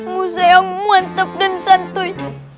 musa yang muantep dan santuy